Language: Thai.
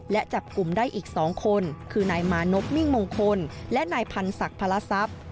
และจับกลุ่มได้อีกสองคนคือนายมานบนิ่งมงคลและนายพรรษศักร